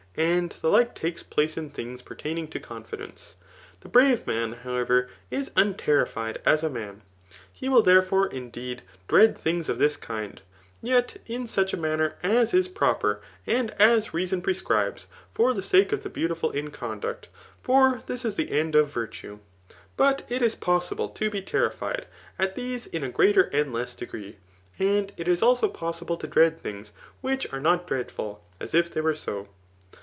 And the like takes place in things pertaining to confidence. The brave, man, however, is unterrified, as a man. He will jtherdfor^ indeed, dread things of this kind, yet in such a naqn^ as is proper, and as reason prescribes, for the sake of the beautiful in conduct ; for this is the end of :ratue. But it is possible to be terrified at these in a gf^aer and less degree, and it is also possible to dread things which are not dreadful, as if they were so.